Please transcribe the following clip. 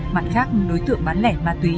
mặt khác đối tượng bán lẻ ma túy